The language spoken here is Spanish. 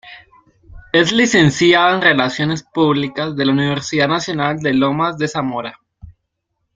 Es licenciada en Relaciones Públicas de la Universidad Nacional de Lomas de Zamora.